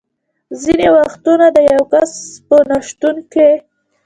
ځینې وختونه د یو کس په نه شتون کې.